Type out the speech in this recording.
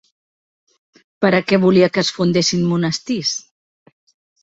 Per a què volia que es fundessin monestirs?